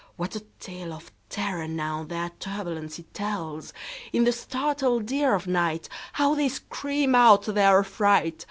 What a tale of terror, now, their turbulency tells! In the startled ear of nightHow they scream out their affright!